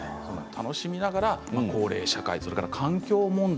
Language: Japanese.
楽しみながら高齢社会、環境問題